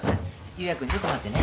ユウヤ君ちょっと待ってね。